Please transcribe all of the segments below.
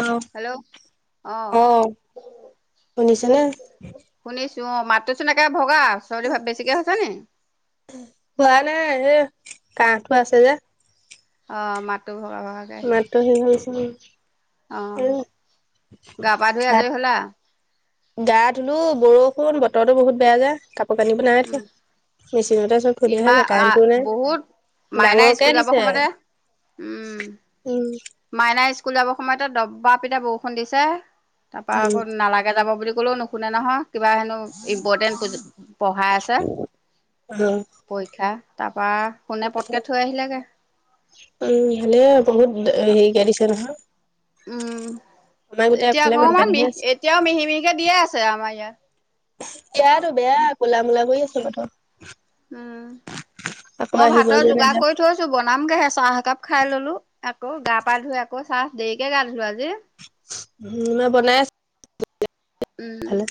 অ hello অ শুনিছেনে ত মাতটো চোন একে ভগা চৰ্দি বেছিকে হৈছে নি? হোৱা নাই এই কাহটো আছে যে অ মাতো মাতটো সেই হৈছে অ গা পা ধুই ভাত আজৰি হলা গা ধুলো বৰষুণ বতৰতো বহুত বেয়া যে কা- কানি বিলাকতকে উম মেচিনতহে চব থৈ দিয়া হল ইমান যে আহ কাৰেণ্টটোও বহুত নাই। মাইনা স্কুল ডাঙৰকে যাব দিছে সময়তে উম মাইনাই স্কুল বৰ সময়তে দবা পিতা বৰষুণ দিছে। তাৰপা উম আকৌ নালাগে যাব বুলি কলেও নুশুনে নহয় কিবা হেনো ইম্পৰ্টেণ্ট পঢ়াই আছে অ পৰীক্ষা তাৰপৰা কোনে পটকে থৈ আহিলেগে উম ভালে বহুত অ সেই [unintelligible] ক উম এতিয়া অকমান বানপানীহে মিহ আছে এতিয়াও মিহি মিহিকে দিয়ে আছে আমাৰ ইয়াত। এয়াতো বেয়া ক'লা মলা কৰি আছে বতৰ উম আকৌ মই আহিব ভাতৰ যে যোগাৰ নাযায় কৰি থৈছো বনামগেহে চাহ একাপ খাই ললো। আকৌ গা পা ধুই আকৌ চাহ দেৰিকে গা ধুলো আজি। উম মই বনাই আছো। উম আগফালে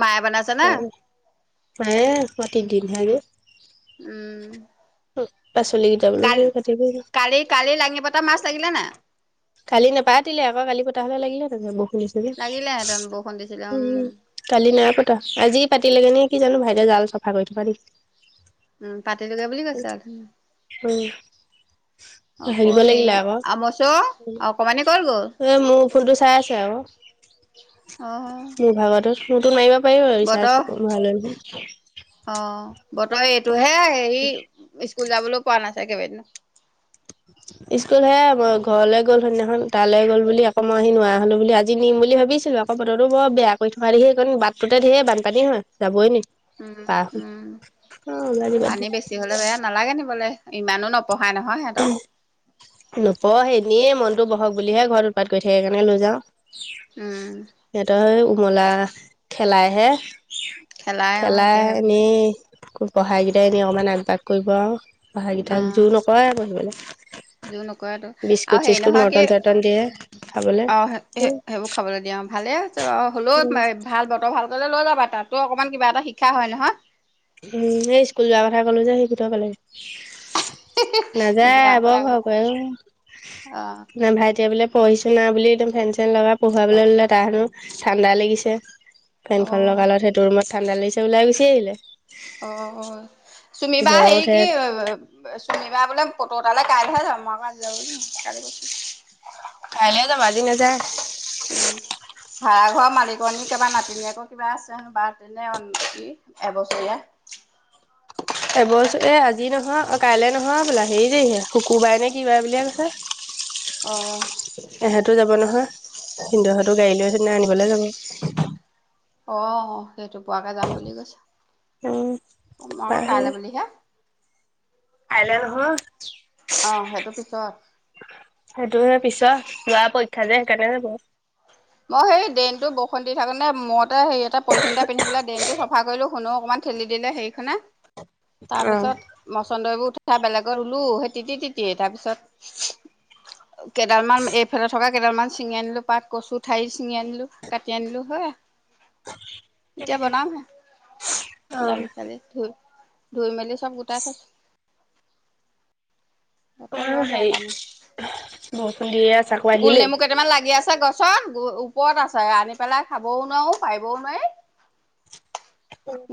মায়ে বনাইছে না মায়ে প্ৰতি দিন হয় উম অ কালি কালি কালি লাঙি পতা মাছ লাগিলে নাই? কালি নাপাতিলে আকৌ কালি পতা হলে লাগিলেহেঁতেন। লাগিলেহেঁতেন বৰষুণ দিছিলে উম কালি নাই পতা। আজি পাতিলেগে নে কি? কি জানো ভাইটিয়ে জাল চাফা কৰি থকা দেখি উম পাতিলোকে বুলি কৈছে আৰু ধ উম আকৌ হাগিব হেই লাগিলে আকৌ আমচৰ এ মোৰ ফুলটো চাই আছে আৰু অ মোৰ ভাগত নতুন মাৰিবা পাৰিব আৰু ৰিছাৰ্চ ভৰাইলৈ হয় অঁ বতৰ এইটোহে হেৰি স্কুল যাবলৈ পোৱা নাছিল। [unintelligible] স্কুল হে মই ঘৰলে গ'ল সৈদনাখন। তালে গ'ল বুলি আকো মই সি নোৱাৰা হলো বুলি আজি নিম বুলি ভাবিছিলোঁ আকো বতৰটো বৰ বেয়া কৰি থকা দেখি এইকন বাটটোতে ধেৰ বানপানী হয়। যাবই নি? উম, পাৰ হৈ উম। অ আজি বাদ দে পানী বেছি হলে বেয়া, নালাগে নিবলে। ইমানো নপ পঢ়াই নহয় সিহঁতক। নপঢ়ে এনেয়ে মনটো বহক বুলিহে ঘৰত উৎপাত কৰি থাকে কাৰণে লৈ যাওঁ। উম। মুলা খেলাইহে। খেলাই অ খেলা এতিয়া সেইবোৰহে এনেই খুব পঢ়া কিটাই এনে অকমান আগ তাক কৰিব আৰু। পঢ়া অ গিটাক জোৰ নকৰে পঢ়িবলে। জোৰ নকৰে তো আৰু হেৰি চিস্কুট নহয় কি মৰ্টন চৰ্টন দিয়ে খাবলৈ। অ স - সে - উম সেইবোৰ খাবলে দিয়ে আৰু ভালে হৈছে বাউ হলেও [unintelligible] ভাল বতৰ ভাল গলে লৈ যাবা তাতটো অকমান কিবা এটা শিক্ষা হয় নহয়। উম। এই স্কুল যোৱাৰ কথা কলো যে সেই [unintelligible] বেয়া নাযায় বৰ পায় ভয় কৰে অ'। [unintelligible] অ ভাইটিয়ে বোলে পঢ়িছো না বুলি একদম ফেন চেন লগাই পঢ়োৱাবলে ললে তাৰ হেনো ঠাণ্ডা লাগিছে। অ ফেনখন লগাই লত সেইটো ৰুমত। ঠাণ্ডা লাগিছে ওলাই গুচি আহিলে। অ' অ'। চুমি বা জ্বৰ হেৰি উঠে কি [unintelligible] কিবা বোলে পত তালৈ কাইলৈহে যাম মই আকো [unintelligible] কাইলৈ যাব আজি নাযায়। উম ভাড়াঘৰৰ মালিকনী কেবা নাতিনীয়েকৰ কিবা আছে হেনো বাৰ্থডে নে অন কি এবছৰীয়া। এবছৰীয়া আজি নহয়‌ অ কাইলে নহয় বোলে হেৰি তাৰিখে শুকুৰ বাৰে নে কি বাৰে বুলিহে অ কৈছে। এহেঁতো যাব নহয় ভিন্দহঁতৰ গাড়ী লৈ সিদনা খনি ঘৰলে যাব। অ' সেইটো পোৱাকে যাম বুলি কৈছে। উম অ' মই আকৌ কাইলৈ বুলিহে। কাইলৈ নহয়। অ' সেইটো পিছত। সেইটোহে পিছৰ লৱা পৰীক্ষা যে সেইকাৰণে হব। মই সেই ডেইনটো বসন্তি থাকোঁতেনে মদ তে হেয়ি এটা পলিথিন এটা পিন্ধি পেলাই ড্ৰেইন টো চফা কৰিলোঁ শুনো অকমান ঠেলি দিলে হেৰিখনে। তাৰ অ পিছত মচন্দৰি বোৰ উঠ [unintelligible] বেলেগত ৰুলো সেই তিতি তিতিয়ে তাৰ পিছত, কেইডাল মান এইফালে থকা কেইডালমান ছিঙি আনিলো পাত কচু ঠাৰি ছিঙি আনিলো কাটি আনিলো হওঁআ এতিয়া বনাম হে অ দালি চালি ধুই ধুই মেলি চব গোটাই থৈছো। অ বতৰ বৰ বেয়া সেই পানী বহ- গোল নেমু কেইটামান লাগি আছে গছত গো- ওপৰত আছে আনি পেলাই খাবও নোৱাৰো পাৰিবও নোৱাৰি।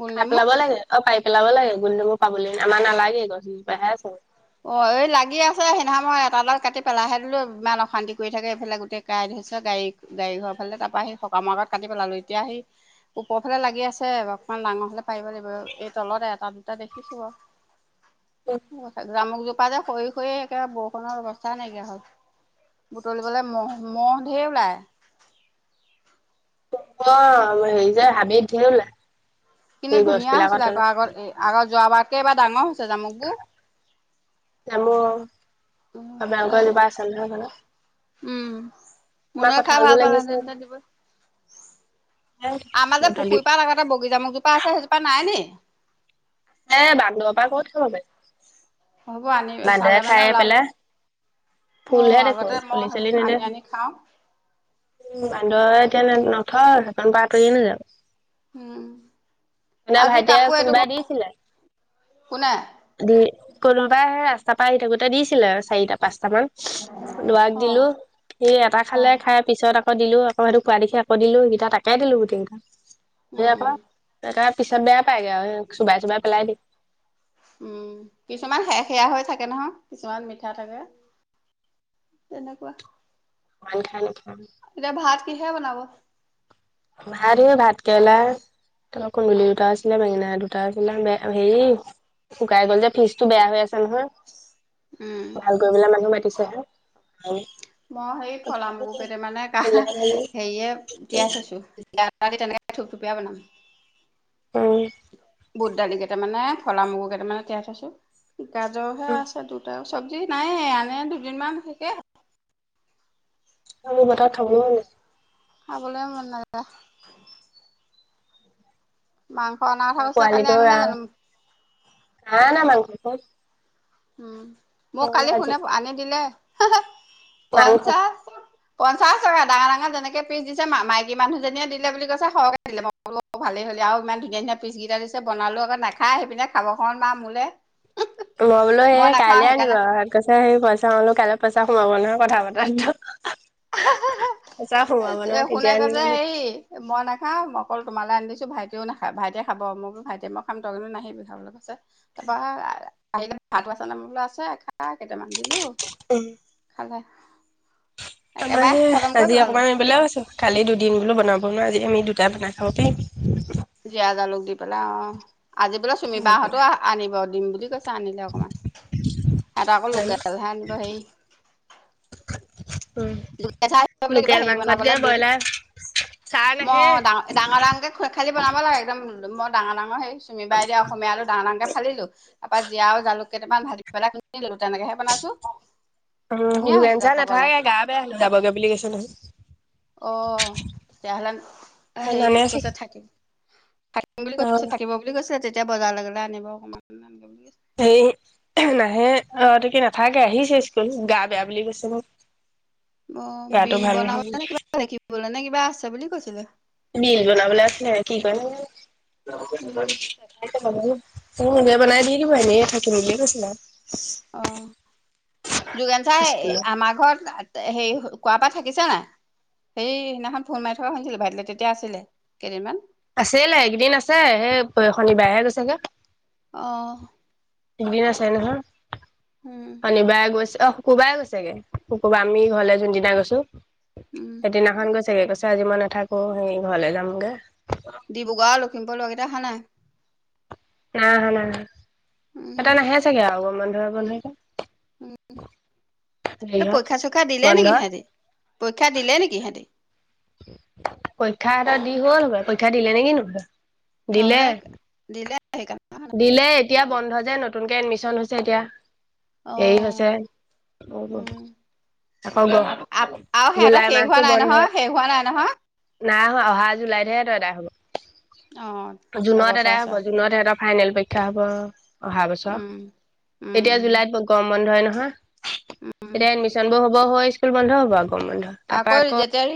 গোল খাই নেমু পেলাব লাগে অ পাৰি গেলাব লাগে গুলনেমু পাবলৈ আমাৰ নালাগে গছ গিজুপাহে আছে। অ এই লাগি আছে সেইদিনাখন মই এটা ডাল কাটি পেলাইহে দিলো ইমান অশান্তি কৰি থাকে এইফালে কাঁইট হৈছে গাড়ী ঘৰ ফালে তাৰ পৰা সেই সকামৰ আগত কাটি পেলালো এতিয়া সি ওপৰ ফালে লাগি আছে অকমান ডাঙৰ হলে পাৰিব লাগিব এই তলতে এটা দুটা দেখিছো বাও। অ জামুকজোপা যে সৰি সৰি একে বৰষুণৰ অৱস্থা নাইকিয়া হল বুটলিবলে মহ মহ ঢেৰ ওলায় অ হেৰি যে হাবিত ধেই ওলাই কিন্তু এই গছ ধুনীয়া বিলাকৰ হৈছিলে আকৌ তলত আগত এ আগত যোৱা বাৰত এইবাৰ ডাঙৰ হৈছে জামুকো জামৰ আমাৰ আক এজোপা আছে নহয় ঘৰত উম মুনুৱে খাই ভাল কঁঠালবোৰ পালে লাগিছে হেতেন এতিয়া দিবই আমাৰ যে বুটলি পুখুৰীপাৰত আগতে বগি জামুক জোপা আছে সেইজোপা নাই নি হে বান্দৰ পা কত থব পাৰিম। হ'ব আনি চালে মানে ওলাব অ ফুলহে দেখো আগতে পুলি মই চুলি আনি আনি খাওঁ। বান্দৰ এতিয়া নথয় দোকান পা আঁতৰি নেযায় উম আপোনাৰ আজি ভাইটিয়ে কাপোৰ এইটো কোনোবাই দিছিলে কোনে? দি কোনোবাই হে ৰাচ তাপা আহি থাকোতে দিছিলে চাৰিটা পাঁচটা মান লৰাক অ দিলো সি এটা অ খালে খাই পিছত আ কৌ দিলো আকৌ সেইটো খোৱা দেখি আকৌ দিলোঁ সেইকেইটা তাকে দিলো গোটেইকেইটা। দে আক উম এটা পিছত বেয়া পাই গে আও চুবাই চুবাই পেলাই দিয়ে উম কিছুমান অকমান সেৰ সেয়া হৈ থাকে নহয়। কিছুমান মিঠা নেথাকে তেনেকুৱা মান খায় নেখায় এতিয়া ভাত কিহে বনাব? ভাত সে ভাতকেৰেলা তাপা কন্দুলি দুটা আছিলে, বেঙেনা দুটা আছিলে, আ হেৰি শুকাই গল যে ফ্ৰিজটো বেয়া হৈ আছে নহয়। উম ভাল কৰিবলে মানুহ মাতে মাতিছে হে মই সেই ফলা মগুকেইটামানে কা হেৰিয়ে তিয়াই থৈছো [unintelligible] দি তেনেকে থুপথুপীয়া বনালো। অঁ! বুটদালি কেইটামানে, ফলা মগুকেইটামানে তিয়াই থৈছোঁ। গাজৰ হে আছে দুটাও চবজি নাইয়েই আনে দুদিনমান থাকে। অ [unintelligible] মত খাবলো নাই খাবলৈও মন নাই যোৱা। অনা অ কথা কৈছিলে কালি পোৱালিটো আনিলে আহ! জানো নাই অনা মাংস। কত উম! মোক কালি সোনে আনি দিলে। হাহ মাংস পঞ্চাছ পঞ্চাশ টকা ডাঙৰ-ডাঙৰ যেনেকে পিচ দিছে, মাইকী মানুহজনীয়ে দিলে বুলি কৈছে সৰহে দিলে, ম‌ই বোলো ভালেই হ'ল দেই আৰু ইমান ধুনীয়া-ধুনীয়া পিছকেইটা দিছে, বনালো আকৌ নাখাই আহি পিনে খাব [unintelligible] মোলে মই এ নাখাওঁ কাইলৈ আনিব সেইকাৰণে আৰু [unintelligible] সেই পইচা কলো কাইলৈ পইচা সোমাব নহয় কথা পতাতো আ হা পইচা সোমাব হা নহয় শুনে তেতিয়া কৈছে আনিম হেৰি মই নাখাওঁ অকল তোমালৈ আনি দিছোঁ। ছো ভাইটিও নাখায়, ভাইটিয়ে খাব মই বোলো ভাইটিয়ে মইয়ে খাম ত‌ই কিন্তু নাহিবি খাবলে কৈছে। তাৰপা আহিলে ভাত‌ও আছে নে মোলে মই বোলে আছে খা কেইটামান দিলোঁ উম! [unintelligible] আমাৰ খতম সেয়ে কৰি আজি পেলালো অকনমান এই [unintelligible] কালি দুদিন বোলো বনাব নোৱাৰ আজি আমি দুটি জাত নাখাওঁতেই জীয়া, জালোক দি পেলাই অঁ! আজি বোলে চুমীবাহঁতো আ-আনিব, দিম বুলি কৈছে আনিলে অকনমান, সিহঁতৰ আকৌ জানো লোকেলহে আনিব হেৰি [unintelligible] উম, কিবা লোকেল হেৰি মাংসতকে বনাবলৈ বিল ব্ৰইলাৰ ছাৰ মই নাহে। ডাঙ-ডাঙৰ-ডাঙৰকে খো খালি বনাব লাগে একদম মত ডাঙৰ-ডাঙৰ হেৰি চুমি বাই দিয়া অসমীয়া আলু ডাঙৰ-ডাঙৰকে ফালিলো তাৰপৰা জীয়াও আৰু জালুক কেইটামান ভাজি পেলাই [unintelligible] তেনেকেহে বনাইছো উম, ধুনীয়া যোগেন হৈছিলে ছাৰ খাবলে। নাথাকে গা বেয়া যাবগে বুলি কৈছে নহয় অ তেতিয়াহলে সেয়ি নানে চাগে কৈছে থাকিম। থাকিম বুলি কৈছ অ', থাকিব বুলি কৈছে তেত- এতিয়া বজাৰলে গলে আনিব অকণমান অকমান [unintelligible] হেই নাহে অ ত কি নাথাকে আহিছে স্কুল গা বেয়া বুলি কৈছে মোক। অ গাটো বিল ভাল বনাব নহয় নে কিবা লেখিব নে- বেয়া আছে বুলি কৈছিলে। বিল বনাবলে আছিলে কি কৰে। [unintelligible] উম [unintelligible] তুমি নিজে বনাই দি দিব এনেই থাকিম বুলিয়ে কৈছিলা। অ যুগেন চাৰে স্কুলত। আমাৰ ঘৰত- হেৰি কোৱাৰ পৰা থাকিছে নাই। সেৰি সেদিনাখন ফোন মাৰি থকা শুনিছিলোঁ ভাইটিল তেতিয়া আছিলে কেইদিনমান। আছিলে এইকেইদিন আছে সেই শনিবাৰেহে গৈছেগে। অ। বিনা চাই নহয়। উম, কালি বাই গৈছে। অ শুকুবাৰে গৈছেগে শুকুবাৰ আমি ঘৰলে যোনদিনা গৈছো- উম, সেইদিনাখন গৈচেগে কৈছ- আজি মই নাথাকো সেই ঘৰলৈ যামগে। ডিব্ৰুগড় লখিমপুৰৰ লৰাকেইটা- অহা নাই। নাই অহা নাই অহা। উম, সেতে নাহে চাগে আৰু। বন্ধ হ'ব নহয় এতিয়া। হেৰিহত পৰীক্ষা চৰিক্ষা দিলে নেকি বন্ধত সিহঁততি পৰীক্ষা দিলে নেকি সিঁহতি। পৰীক্ষা সিহঁতৰ দি হ'ল হবলাই পইক্ষা দিলে নেকি নবোদয় নহ'লে দিলে- সেইকাৰণে অহা নাই আকৌ। দিলে এতিয়া বন্ধ- যে নতুনকে এডমিশ্যন হৈছে এতিয়া। হেৰি হৈছে অ', উম, আকৌ ব আৰু সিহঁতৰ জুলাই শেষ হোৱা মাহটো নাই বন্ধ নহয়, শেষ হোৱা নাই নহয়? নাই অহা জুলাইতহে এত এদাই হব। অ', জুনত এবছৰ এদাই আছে হ'ব আৰু, জুনত সেত- ফাইনেল পৰীক্ষা হ'ব। অহা বছৰ উম। এতিয়া উম, জুলাইত মই গৰম বন্ধ হয় নহয়। হা এতিয়া এডমিশন বোৰ হ'ব হয় স্কুল বন্ধ হব গৰম বন্ধ আহ তাৰপৰা আকৌ যেতিয়াৰ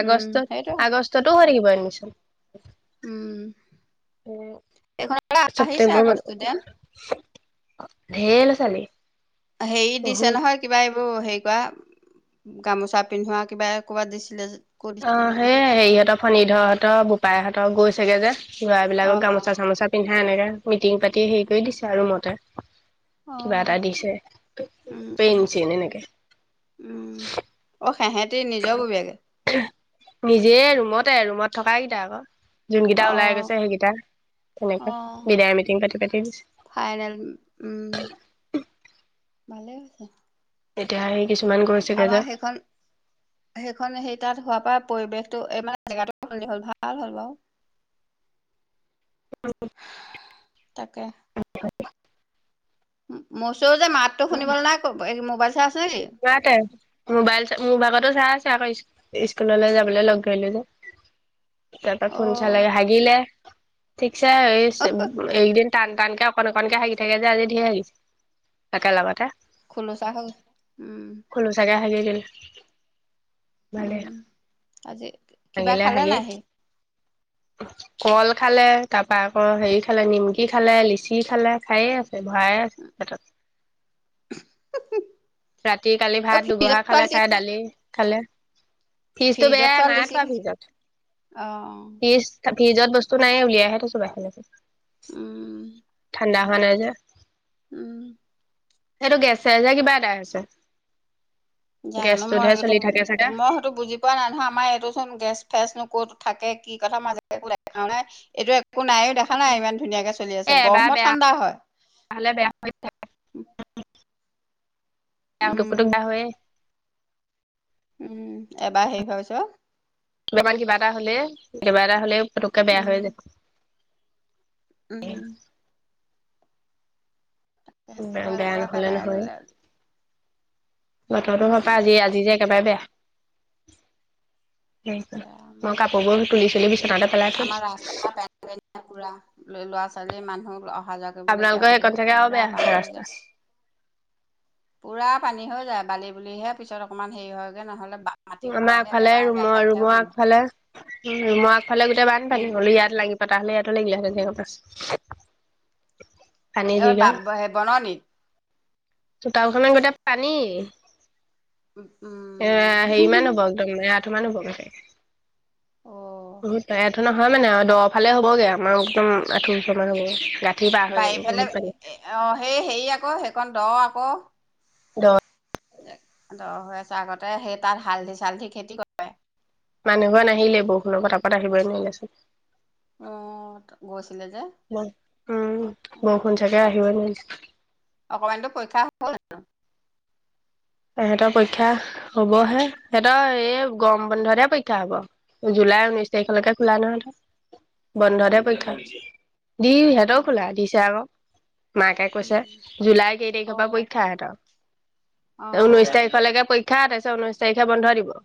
আগষ্টত সেইটোৱে। আগষ্টতো হৈ থাকিব এডমিশন এইখন আহিছে ছেপ্তেম্বৰ আকৌ ষ্টুডেন ধেই লৰা ছোৱালী হেৰি দিছে বহুত নহয় কিবা- ত হেৰি কৰা গামোচা পিন্ধোৱা কিবা ক'বাত দিছিলে- ক'ত অ দিছিলে সেই হেৰিহঁতৰ ফণ ধৰ সহতৰ পায়হঁতক গৈছোগৈ যে- গোৱ অ বিলাকক অ গামোচা চামোচা পিন্ধা আনেগে - মিটিং পাতি হেৰি কৰি দিছে ৰুমতে- অ কিবা এটা দিছে উম পেইনচন এনেকে- তেহেঁতি নিজৰ ববিয়াগে নিজে ৰুমতে ৰুমত থক কেইটা আকৌ- যোনকেইটা অ ওলাই গৈছে সেইকেইটা তেনে‌য়। অ কে বিদায় মিটিং পাতি পতি ফাইনেল দিছে- ভালে আছে- তেতিয়া- আমাৰ সেইখন সেইখন সেই তাত হোৱাৰ পৰা- পৰিৱেশটো এই মানে জেগাটো খন্দ হল ভাল হ'ল বাৰু- উ তাকে আ মচ যে মাতো শুনিবলৈ নাই মোবাইল- চাই আছে নেকি মতে মোবাইল মোৰ ভাগতো চাই আছে আকৌ স্কুল- স্কুললৈ যাবলৈ লগ গিলো যে- আটা অ ফোন চাল হাগিলে - চাই আছিল এইদিন- টান টানকে অকণ অকণকে হাগি থাকে যে আজি ধেৰ হাগিছে একেলগতে খ্লো চাহব উম হে দ মে উম আজি কিবা ভঙিলে খালে হাগে নাই সি কল খালে তাৰপৰা আকৌ হেৰি খালে নিমকি খালে লিচি খালে খায়েই আ ভায়াই আছে পেটত ৰাতি কালি অ ভাত দুগহা ফ্ৰিজত থোৱা খালে লিচি খাই দালি খালে ফিজতটো ফ্ৰিজত বেয়া নাই লিচি থোৱা খাইছে ফিজত অ ফিজ ফিজত বস্তু নাই উলিয়াইে থছো বাই উম ঠাণ্ডা ভানে যে উম সেইটো গেছে যে কিবা এটা [unintelligible] জানো গেছটোতহে মইো চলি থাকে চাগে মই সতো বুজি পোৱা নাই নহয় আমাৰ এইটো চোন গেছ ফেচ নো কত থাকে কি কথা মাজে কোল কাৰণে এইটোয়ে একো নাইও দেখা নাই ইমান ধুনীয়াকে চলি আছে এ এবাৰ ব্ৰহ্মত বেয়া ঠাণ্ডা হয় হলে বেয়া ক উম পুটুক দা হৈয়য়মহ উম এবাৰ হেৰি হোৱাৰ পিছত তমাৰ কিবা এটা হলে কেইবা এটা হ'লেও পুটোকে বেয়া হৈ যায় উম উম বতৰ গান একেবাৰে হলন পেলাই হয় ললে আজি বতটো ভাপা উম আজি আজি যে একেবাৰে বেয়া সেই বেয়া মই কাপোৰবোৰ তুলি চুলি বিচনাতে পেলাইছো ুৰা ল ল'ৰা ছোৱালী মানুহ অহা যোৱা কৰিবলৈ এতিয়া আপোনালোকৰ সেইকণ অসুবিধা চাগে আৰু পুৰা বেয়া হৈছে পানী হৈ ৰাস্তা যায় পুৰা পানী হৈ যায় বালি বুলিহে পিছত অকনমান হেৰি হয়গে নহলে মাটি আমাৰ খোৱা হ'লে আগফালে একেবাৰে ৰুমৰ লেঠাই পেঠাই ৰুমৰ হ'লহেঁতেন আগফালে ৰুমৰ আগফালে গোটেই বানপানী উম হ'লো ইয়াত লাগিব তাহলে ইয়াাত লাগিলাে জ পছ অ বাব হে বন নক চোতাওখনে গোটেই পানী এ উম হেৰিমান বন্ধ কিমান? বৰ্তমানো‌ বগা চাগে অ' বহুত তাইট নহয় মানে আৰু দফালে হ'বগে আমাৰ একদম আঠোছৰ মান হ'ব গা বাৰিফালে অ সেই হেৰি আকৌ সেইকণ দ আকৌ ক দহ দৰ হৈ আছে আগতে সেই তাত হালধি চালধি খেতি কৰে। মানুহৰ নাহিলে বহুৰ কথা ক'ত আহিব এনেই ইয়াত অ' গৈছিলে যে চোন। উম বৰষুণ চাগে‌ আহিবি নোৱাৰিছে। [inaudible] অকমানিতোৰ পৰীক্ষা হ'ল? সেহঁতৰ পৰীক্ষা হবহে সিহঁতৰ এ গৰম বন্ধতে পৰিক্ষা ক্ষা হব। জুলাই ঊনৈশ তাৰিখলৈকে খোলা নহয় সিহঁতৰ। বন্ধতে পৰীক্ষা উম দিছে দি উম সিহঁতেও উম খোলা দিছে আকৌ। মাকে কৈছে, উম জুলাইৰ কেই তাৰিখৰ পৰা অ' পৰীক্ষা আহেতৰ? অ' উঊৈশ তাৰিখৰলৈকে পৰীক্ষা তাৰ পিছত ঊনৈশ তাৰিখে বন্ধ দিব।